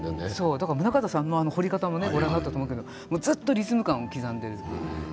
棟方さんの彫り方もご覧になったと思うけどずっとリズム感を刻んでいる。